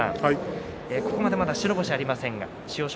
ここまでまだ白星がありませんが千代翔